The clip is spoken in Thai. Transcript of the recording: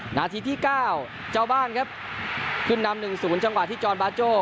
หน้าที่ที่เก้าเจ้าบ้านขึ้นนำหนึ่งศูนย์จังหวัดที่จอชภาชโจ